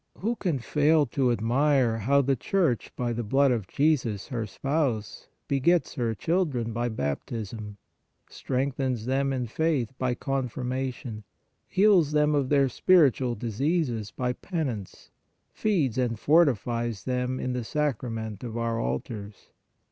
Who can fail to admire, how the Church by the blood of Jesus, her Spouse, begets her children by baptism, strengthens them in faith by confirmation, heals them of their spiritual diseases by penance, feeds and fortifies them in the Sacrament of our altars?